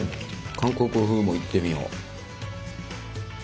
韓国風もいってみよ。